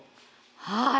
はい